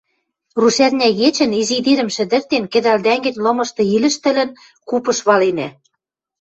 Рушӓрня кечӹн, изидирӹм шӹдӹртен, кӹдӓл дӓнгӹнь лымышты илӹштӹлӹн, купыш валенӓ.